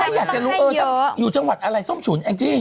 ทำไมอยากจะลุ้มเบอร์หรือจะบ้างอยู่จังหวัดอะไรส้มฉุนแอน่จี้